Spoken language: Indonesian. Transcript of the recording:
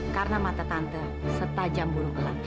karena mata tante setajam burung gelap